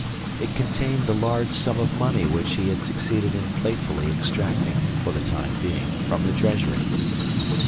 It contained the large sum of money which he had succeeded in playfully extracting, for the time being, from the treasury.